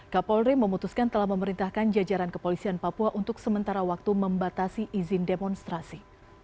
kapolri memutuskan telah memerintahkan jajaran kepolisian papua untuk sementara waktu membatasi izin demonstrasi